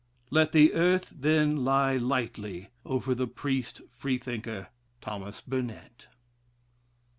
Let the earth then lie lightly over the priest Freethinker, Thomas Burnet.